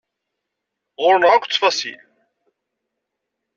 Ɣur-neɣ akk ttfaṣil.